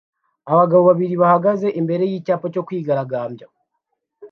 Abagabo babiri bahagaze imbere yicyapa cyo kwigaragamby